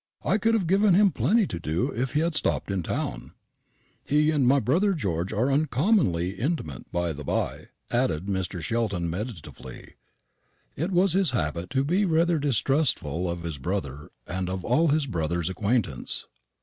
I could have given him plenty to do if he had stopped in town. He and my brother George are uncommonly intimate, by the bye," added Mr. Sheldon meditatively. It was his habit to be rather distrustful of his brother and of all his brother's acquaintance.